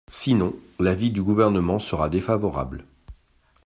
Sinon, l’avis du Gouvernement sera défavorable.